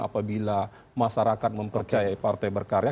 apabila masyarakat mempercayai partai berkarya